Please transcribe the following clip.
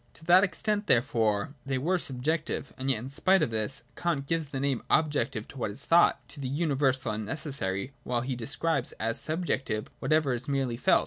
To that extent therefore, they were subjective. And yet in spite of this, Kant gives the name objective to what is thought, to the universal and necessary, while he describes as subjective whatever is merely felt.